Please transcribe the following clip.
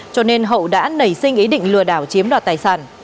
cho nên hậu đã nảy sinh ý định lừa đảo chiếm đoạt tài sản